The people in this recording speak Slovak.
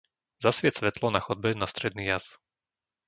Zasvieť svetlo na chodbe na stredný jas.